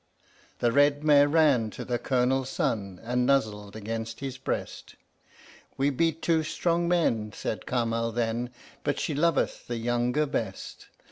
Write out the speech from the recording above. The red mare ran to the Colonel's son, and nuzzled against his breast; "We be two strong men," said Kamal then, "but she loveth the younger best.